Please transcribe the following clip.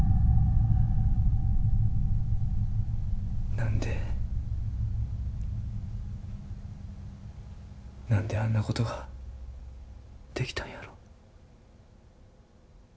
なんでなんであんなことができたんやろう。